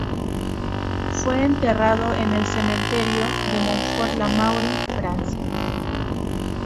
Fue enterrado en el Cementerio de Montfort-l'Amaury, Francia.